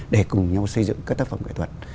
để cùng nhau xây dựng các tác phẩm nghệ thuật